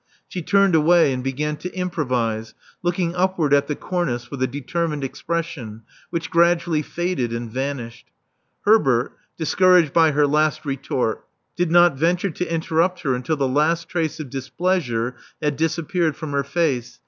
She turned away, and began to improvise, looking upward at the cornice with a determined expression which gradually faded and vanished. Herbert, discouraged by her last retort, did not venture to interrupt her until the last trace of displeasure had disappeared from her face.